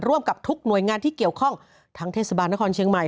ร่วมกับทุกหน่วยงานที่เกี่ยวข้องทั้งเทศบาลนครเชียงใหม่